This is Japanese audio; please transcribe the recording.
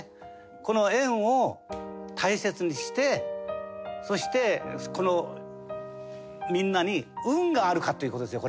この縁を大切にしてそしてこのみんなに運があるかという事ですよ